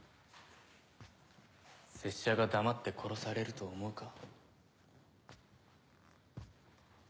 拙者が黙って殺されると思うか？